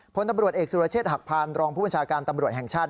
พลตำรวจเอกสุรเชษฐหักพานรองผู้บัญชาการตำรวจแห่งชาติ